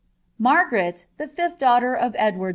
Margaret, the fiAh daughter of Edfrard III.